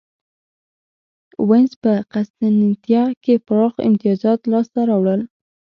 وینز په قسطنطنیه کې پراخ امیتازات لاسته راوړل.